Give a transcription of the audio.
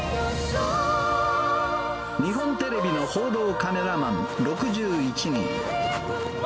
日本テレビの報道カメラマン６１人。